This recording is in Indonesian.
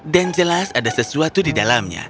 dan jelas ada sesuatu di dalamnya